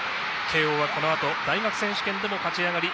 慶応は、このあと大学選手権でも勝ち上がり